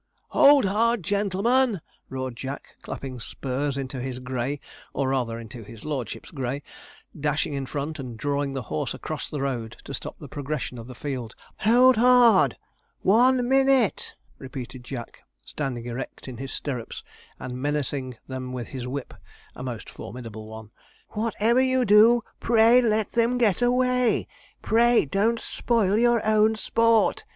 'HOLD HARD, gentlemen,' roared Jack, clapping spurs into his grey, or rather, into his lordship's grey, dashing in front, and drawing the horse across the road to stop the progression of the field. 'HOLD HARD, one minute!' repeated Jack, standing erect in his stirrups, and menacing them with his whip (a most formidable one). 'Whatever you do, pray let them get away! Pray don't spoil your own sport!